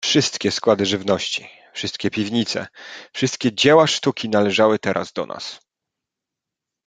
"Wszystkie składy żywności, wszystkie piwnice, wszystkie dzieła sztuki należały teraz do nas."